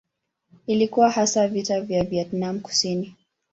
Ilikuwa hasa vita ndani ya Vietnam Kusini.